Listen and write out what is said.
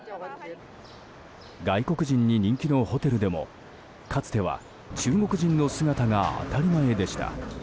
外国人に人気のホテルでもかつては中国人の姿が当たり前でした。